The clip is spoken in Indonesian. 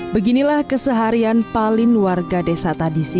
beginilah keseharian paling warga desa tadisi